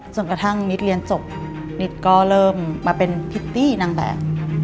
กระทั่งนิดเรียนจบนิดก็เริ่มมาเป็นพิตตี้นางแบบ